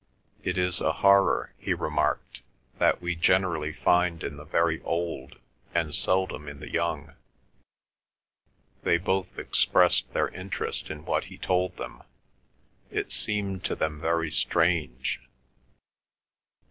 "It is a horror," he remarked, "that we generally find in the very old, and seldom in the young." They both expressed their interest in what he told them; it seemed to them very strange.